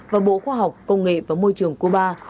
và bộ khoa học công nghệ và môi trường cuba